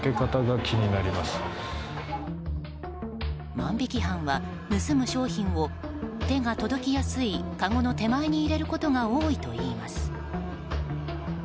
万引き犯は盗む商品を手が届きやすいかごの手前に入れることが多いといいます。